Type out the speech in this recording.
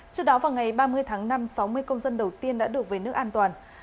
trước đó vào ngày ba mươi tháng năm sáu mươi công dân đầu tiên đã được về nước an toàn